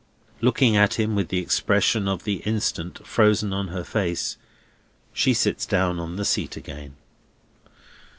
Looking at him with the expression of the instant frozen on her face, she sits down on the seat again.